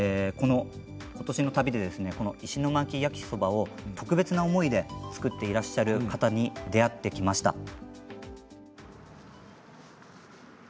ことしの旅でこの石巻焼きそばを特別な思いで作っていらっしゃる方に出会いました。